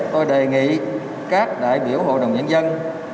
tôi đề nghị các đại biểu hội đồng nhân dân